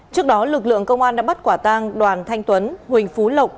trước đó lực lượng công an đã bắt quả tang đoàn thanh tuấn huỳnh phú lộc